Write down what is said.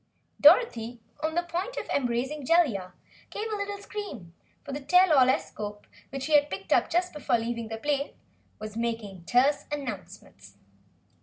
Dorothy, on the point of embracing Jellia, gave a little scream, for the Tell all escope, which she had picked up just before leaving the plane, was making terse announcements.